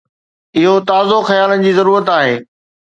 اهو تازو خيالن جي ضرورت آهي.